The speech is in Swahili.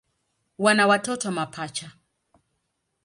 Wana watoto mapacha.